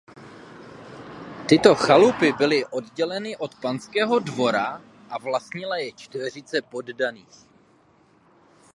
Tyto chalupy byly odděleny od panského dvora a vlastnila je čtveřice poddaných.